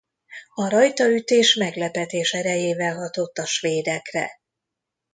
A rajtaütés meglepetés erejével hatott a svédekre.